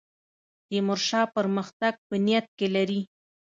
تیمورشاه پرمختګ په نیت کې لري.